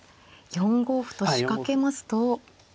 ４五歩と仕掛けますと。